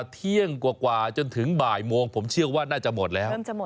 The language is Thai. เที่ยงกว่าจนถึงบ่ายโมงผมเชื่อว่าน่าจะหมดแล้ว